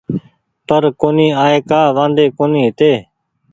پر ڪونيٚ آئي ڪآ وآدي ڪونيٚ هيتي